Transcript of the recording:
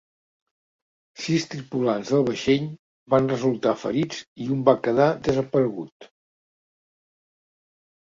Sis tripulants del vaixell van resultar ferits i un va quedar desaparegut.